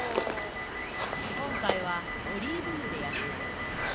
今回はオリーブ油で焼きます。